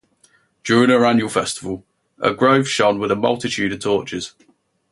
During her annual festival, her grove shone with a multitude of torches.